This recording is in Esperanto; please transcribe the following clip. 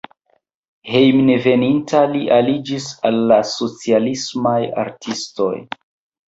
Hejmenveninta li aliĝis al la socialismaj artistoj.